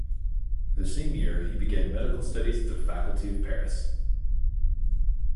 The same year he began medical studies at the Faculty of Paris.